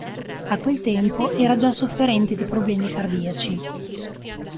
A quel tempo era già sofferente di problemi cardiaci.